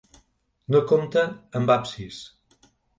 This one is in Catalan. No compta amb absis.